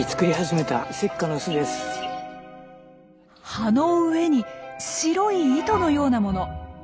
葉の上に白い糸のようなもの。